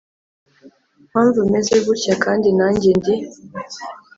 mpamvu meze gutya, kandi nanjye ndi.